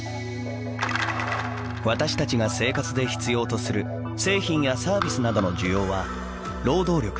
私たちが生活で必要とする製品やサービスなどの需要は労働力